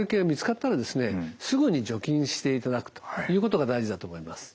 すぐに除菌していただくということが大事だと思います。